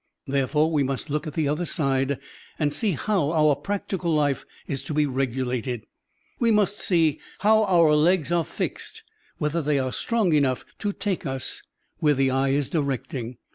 Therefore, we must look at the other side and see how our practical life is to be regulated; we must see how our legs are fixed, whether they are strong enough to take us where the eye is directing.